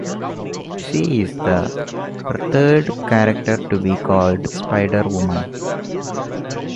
She is the third character to be called Spider-Woman.